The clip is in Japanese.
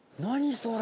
それ。